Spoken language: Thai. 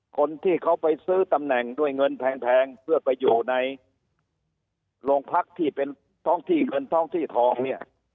คนที่เขาไปซื้อตำแหน่งด้วยเงินแพงเพื่อไปอยู่ในโรงพักที่เป็นท้องที่เงินท้องที่ทองเนี่ย